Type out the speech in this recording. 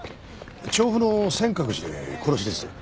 調布の先覚寺で殺しです。